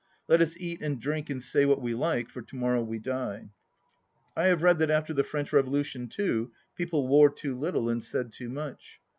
Let us eat and drink and say what we like, for to morrow we die ! I have read that after the French Revo lution, too, people wore too little and said too much.